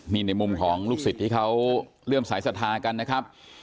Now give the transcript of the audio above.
นี่ในมุมของลูกศิษย์ที่เขาเลื่อมสายศรัทธากันนะครับ